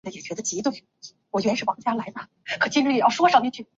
瘦蛋白是一种新近发现的蛋白质荷尔蒙。